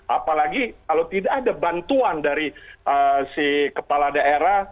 apalagi kalau tidak ada bantuan dari si kepala daerah